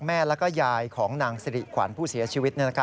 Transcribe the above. แม่และยายของนางสิริขวัญผู้เสียชีวิต